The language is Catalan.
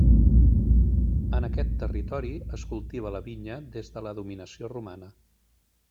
En aquest territori es cultiva la vinya des de la dominació romana.